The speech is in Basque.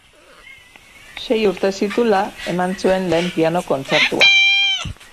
Sei urte zituela eman zuen lehen piano-kontzertua.